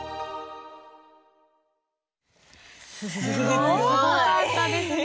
すごい！すごかったですね。